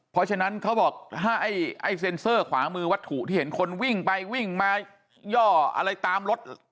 เพราะฉะนั้นเขาบอกถ้าไอ้เซ็นเซอร์ขวามือวัตถุที่เห็นคนวิ่งไปวิ่งมาย่ออะไรตามรถ